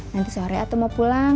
nanti sore atau mau pulang